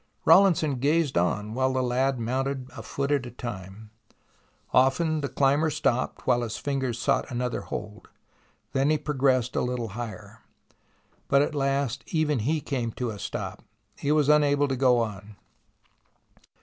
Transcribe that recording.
Rawlinson gazed on while the lad mounted a foot at a time. Often the climber stopped while his fingers sought another hold, then he progressed a little higher. But at last even he came to a stop ; he was unable to go on.